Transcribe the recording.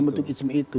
membentuk hizmi itu